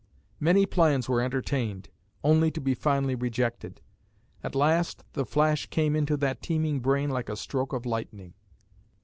Many plans were entertained, only to be finally rejected. At last the flash came into that teeming brain like a stroke of lightning.